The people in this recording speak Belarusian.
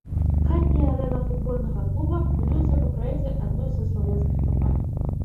Хатняя арэна футбольнага клуба будуецца па праекце адной са славенскіх кампаній.